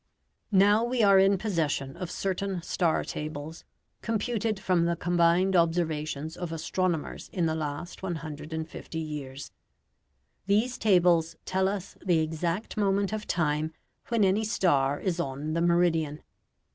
Now we are in possession of certain star tables, computed from the combined observations of astronomers in the last 150 years. These tables tell us the exact moment of time when any star is on the meridian.